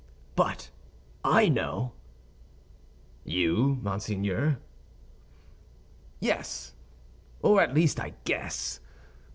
"But I know." "You, monseigneur?" "Yes; or at least I guess.